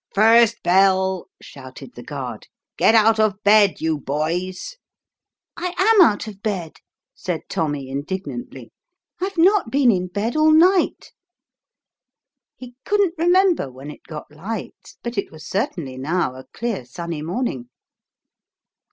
" First bell," shouted the guard ;" get out of bed, you boys." "I am out of bed/' said Tommy indignantly. "I've not been in bed all night." (He couldn't re member when it got light, but it was certainly now a clear sunny morning.)